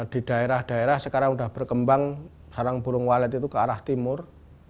di daerah daerah sekarang sudah berkembang sarang burung walet itu ke arah timur